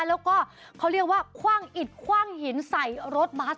แล้วก็เขาเรียกว่าคว่างอิดคว่างหินใส่รถบัส